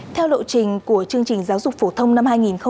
theo lộ trình của chương trình giáo dục phổ thông năm hai nghìn một mươi chín